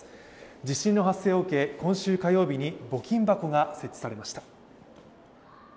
地震の発生を受け、今週火曜日に募金箱が設置されました。